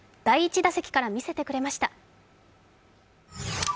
第１打席から見せてくれました。